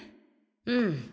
うん。